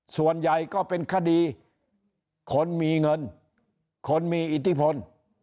ส่วนใหญ่ก็เป็นคดีคนมีเงินคนมีอิทธิพล